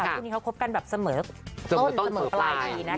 ทุกทีเขาคบกันแบบเสมอต้นเสมอปลาย